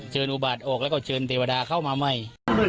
จืนอุบาทออกแล้วก็จืนตรีวดาเข้ามาไหม